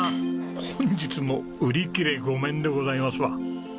本日も売り切れ御免でごさいますわ。